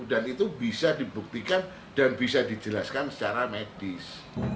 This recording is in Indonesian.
dan itu bisa dibuktikan dan bisa dijelaskan secara medis